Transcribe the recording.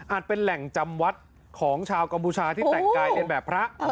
เป็นแหล่งจำวัดของชาวกัมพูชาที่แต่งกายเรียนแบบพระ